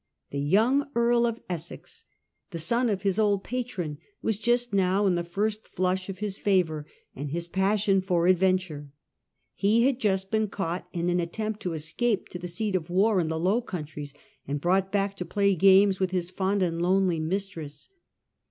The young Earl of Essex, the son of his old patron, was just now in the first flush of his favour and his passion for adventure. He had just been caught in an attempt to escape to the seat of war in the Low Countries, and brought back to play games with his fond and lonely mistress.